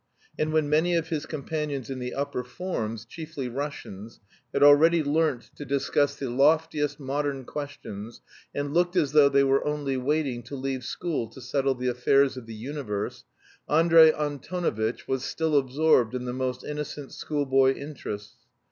And when many of his companions in the upper forms chiefly Russians had already learnt to discuss the loftiest modern questions, and looked as though they were only waiting to leave school to settle the affairs of the universe, Andrey Antonovitch was still absorbed in the most innocent schoolboy interests.